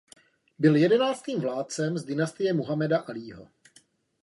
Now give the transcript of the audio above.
Byl jedenáctým vládcem z dynastie Muhammada Alího.